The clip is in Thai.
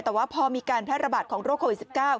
แต่ว่าพอมีการแพร่ระบาดของโรคโควิด๑๙